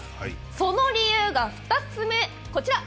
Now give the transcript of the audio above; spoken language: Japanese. その理由が２つ目、こちら。